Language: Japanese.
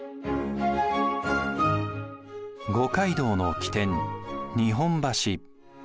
五街道の起点日本橋。